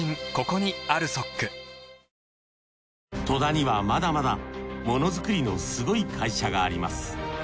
戸田にはまだまだものづくりのすごい会社があります。